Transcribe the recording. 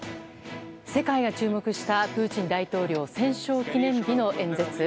世界が注目した、プーチン大統領戦勝記念日の演説。